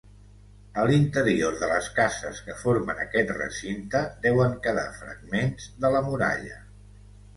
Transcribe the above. A l'interior de les cases que formen aquest recinte deuen quedar fragments de la muralla.